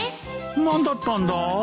何だったんだ？